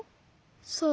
そう。